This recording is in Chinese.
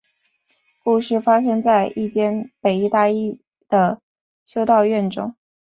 故事发生在一间北意大利的修道院中。